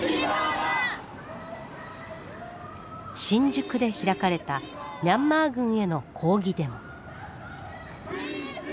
新宿で開かれたミャンマー軍への抗議デモ。